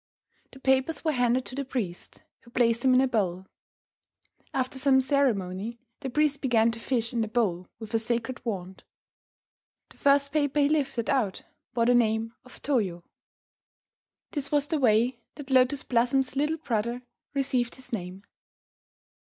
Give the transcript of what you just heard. The papers were handed to the priest, who placed them in a bowl. After some ceremony, the priest began to fish in the bowl with a sacred wand. The first paper he lifted out bore the name of Toyo. This was the way that Lotus Blossom's little brother received his name.